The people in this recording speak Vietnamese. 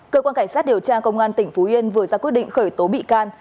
cơ quan cảnh sát điều tra công an tỉnh phú yên vừa ra quyết định khởi tố bị can